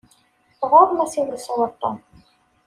Ɣuṛ-m asiwel sɣuṛ Tom.